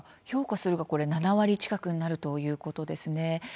評価するが７割近くになるということですね。